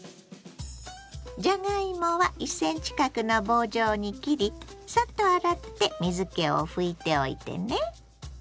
じゃがいもは１ｃｍ角の棒状に切りサッと洗って水けを拭いておいてね。